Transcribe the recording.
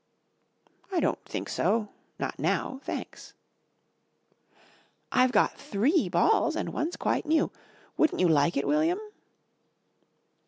"I don't think so. Not now. Thanks." "I've got three balls and one's quite new. Wouldn't you like it, William?"